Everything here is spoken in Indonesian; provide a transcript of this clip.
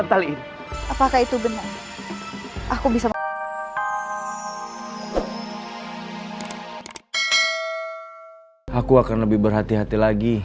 aku akan lebih berhati hati lagi